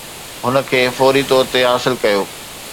هن کي فوري طور تي حاصل ڪيو.